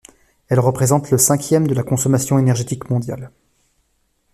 Elle représente le cinquième de la consommation énergétique mondiale.